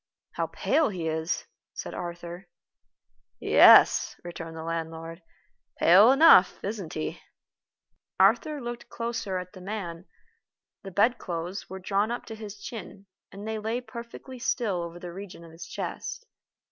"How pale he is," said Arthur. "Yes," returned the landlord, "pale enough, isn't he?" Arthur looked closer at the man. The bedclothes were drawn up to his chin, and they lay perfectly still over the region of his chest.